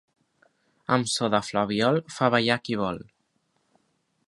Amb so de flabiol fa ballar a qui vol.